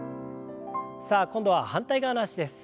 さあ今度は反対側の脚です。